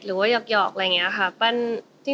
หรือว่าหยอกนะงี้อย่างนี้ค่ะ